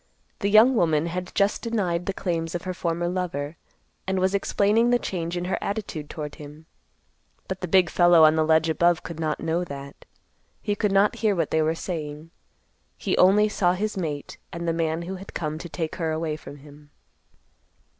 The young woman had just denied the claims of her former lover, and was explaining the change in her attitude toward him; but the big fellow on the ledge above could not know that. He could not hear what they were saying. He only saw his mate, and the man who had come to take her from him.